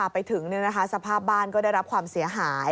ไปถึงสภาพบ้านก็ได้รับความเสียหาย